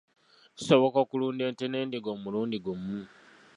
Kisoboka okulunda ente n’endiga omulundi gumu.